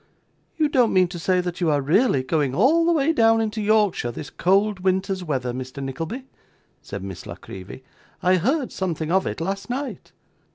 'You don't mean to say that you are really going all the way down into Yorkshire this cold winter's weather, Mr. Nickleby?' said Miss La Creevy. 'I heard something of it last night.